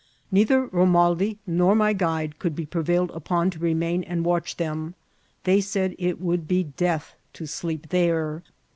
Neither Romaldi nor my guide could be prevailed upon to remain and watch them ; they said it would be death to sleep there.